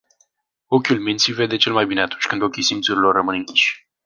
Ochiul minții vede cel mai bine atunci când ochii simțurilor rămân închiși.